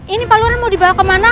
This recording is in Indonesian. ini pak luaran mau dibawa kemana